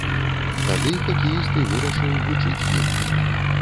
Тады хакеіст і вырашыў вучыць гімн.